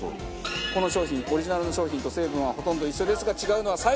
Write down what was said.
この商品オリジナルの商品と成分はほとんど一緒ですが違うのはサイズ！